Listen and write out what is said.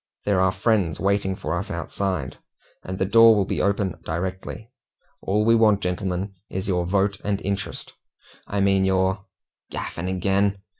There are friends waiting for us outside, and the door will be open directly. All we want, gentlemen, is your vote and interest I mean your " "Gaffing agin!"